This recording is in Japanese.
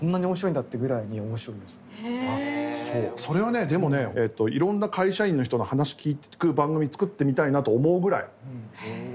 それはねでもねいろんな会社員の人の話聞く番組作ってみたいなと思うぐらい。